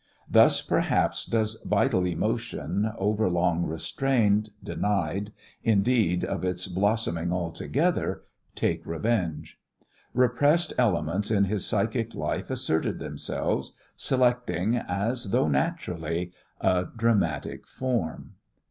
Thus, perhaps, does vital emotion, overlong restrained, denied, indeed, of its blossoming altogether, take revenge. Repressed elements in his psychic life asserted themselves, selecting, as though naturally, a dramatic form.